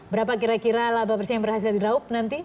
berapa kira kira laba persen yang berhasil di raup nanti